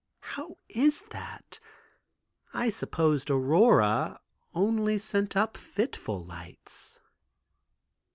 "How is that? I supposed Aurora only sent up fitful lights."